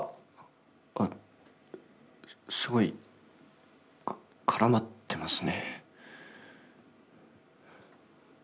あっすごい絡まってますね。